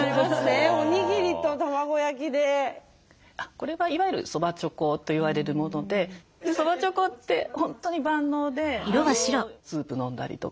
これはいわゆるそばちょこといわれるものでそばちょこって本当に万能でスープ飲んだりとか。